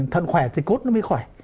thân khỏe thì cốt nó mới khỏe